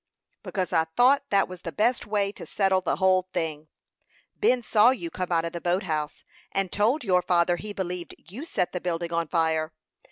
"Because I thought that was the best way to settle the whole thing. Ben saw you come out of the boat house, and told your father he believed you set the building on fire.